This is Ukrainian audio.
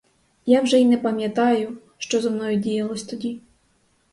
Я вже й не пам'ятаю, що зо мною діялося тоді!